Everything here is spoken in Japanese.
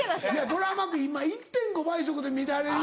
ドラマ今１．５倍速で見られる。